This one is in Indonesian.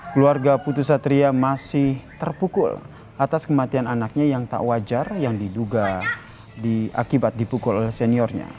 keluarga putri satria masih terpukul atas kematian anaknya yang tak wajar yang diduga akibat dipukul oleh seniornya